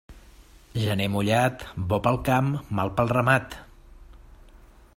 Gener mullat, bo pel camp, mal pel ramat.